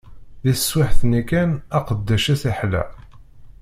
Di teswiɛt-nni kan, aqeddac-is iḥla.